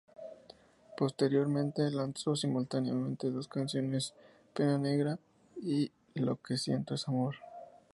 Posteriormente lanzo simultáneamente dos canciones "Pena Negra" y "Lo Que Siento Es Amor".